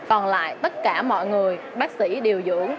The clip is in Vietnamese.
còn lại tất cả mọi người bác sĩ điều dưỡng